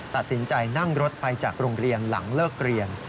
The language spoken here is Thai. ตัดสินใจนั่งรถไปจากโรงเรียนหลังเลิกเรียน